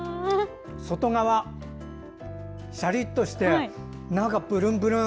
外側がシャリッとして中がプルプル。